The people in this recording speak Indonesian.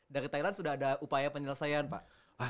dari thailand sudah ada upaya penyelesaian pak